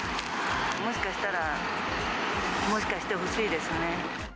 もしかしたら、もしかしてほしいですね。